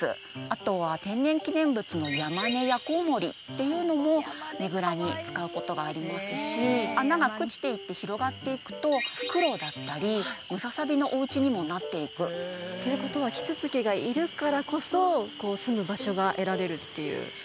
あとは天然記念物のヤマネやコウモリっていうのもねぐらに使うことがありますし穴が朽ちていって広がっていくとフクロウだったりムササビのお家にもなっていくということはキツツキがいるからこそこうすむ場所が得られるっていうことですか？